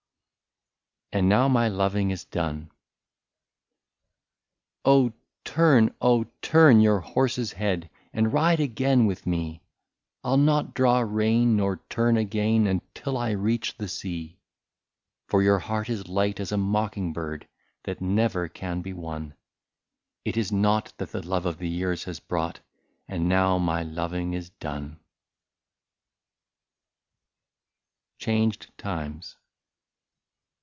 19 '^AND NOW MY LOVING IS DONE." " Oh ! turn, oh ! turn your horse's head, And ride again with me." 1 11 not draw rein, or turn again, Until I reach the sea. " For your heart is light as a mocking bird, That never can be won ; It is nought that the love of the years has brought. And now my loving is done." 20 CHANGED TIMES.